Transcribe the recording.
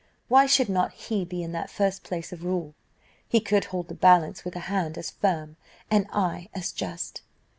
Why should not he be in that first place of rule? He could hold the balance with a hand as firm, an eye as just.